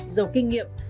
giàu kinh nghiệm